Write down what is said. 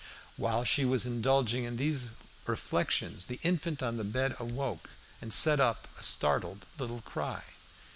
While she was indulging in these reflections the infant on the bed awoke and set up a startled little cry.